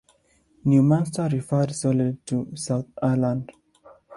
New Munster referred solely to the South Island.